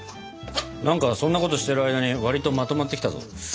何かそんなことしてる間に割とまとまってきたぞ。